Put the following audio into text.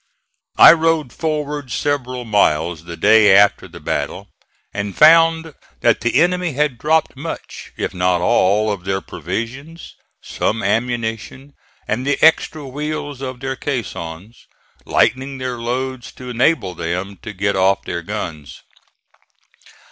I rode forward several miles the day after the battle, and found that the enemy had dropped much, if not all, of their provisions, some ammunition and the extra wheels of their caissons, lightening their loads to enable them to get off their guns.